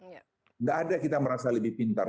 tidak ada kita merasa lebih pintar